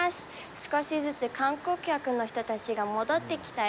少しずつ観光客の人たちが戻ってきたよ。